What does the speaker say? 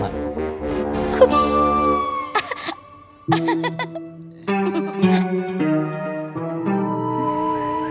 tante tadi udah ngomong kayak gitu